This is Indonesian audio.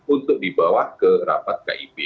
untuk dibawa ke rapat kib